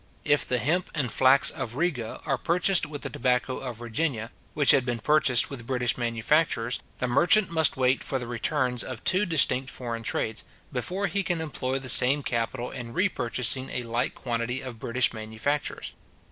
If the hemp and flax of Riga are purchased with the tobacco of Virginia, which had been purchased with British manufactures, the merchant must wait for the returns of two distinct foreign trades, before he can employ the same capital in repurchasing a like quantity of British manufactures.